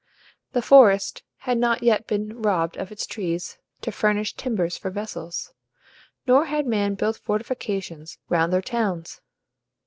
The forest had not yet been robbed of its trees to furnish timbers for vessels, nor had men built fortifications round their towns.